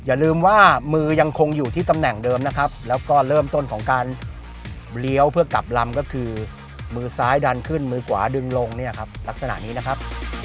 อย่าลืมว่ามือยังคงอยู่ที่ตำแหน่งเดิมนะครับแล้วก็เริ่มต้นของการเลี้ยวเพื่อกลับลำก็คือมือซ้ายดันขึ้นมือขวาดึงลงเนี่ยครับลักษณะนี้นะครับ